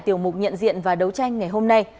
tiểu mục nhận diện và đấu tranh ngày hôm nay